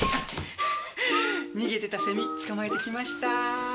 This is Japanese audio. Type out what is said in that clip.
逃げてたセミ捕まえてきました。